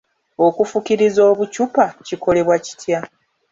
Okufukiriza obuccupa kikolebwa kitya?